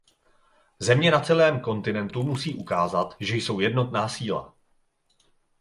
Země na celém kontinentu musí ukázat, že jsou jednotná síla.